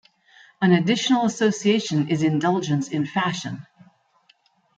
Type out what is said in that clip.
An additional association is indulgence in fashion.